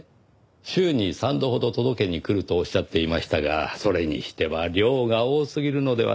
週に３度ほど届けに来るとおっしゃっていましたがそれにしては量が多すぎるのではないかと。